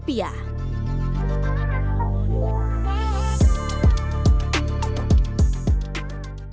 ketika di sini orang orang mengambil alih dari keadaan mereka